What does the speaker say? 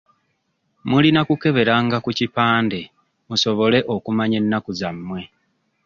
Mulina kukeberanga ku kipande musobole okumanya ennaku zammwe.